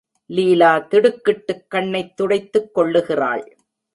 லீலா திடுக்கிட்டுக் கண்ணைத் துடைத்துக் கொள்ளுகிறாள்.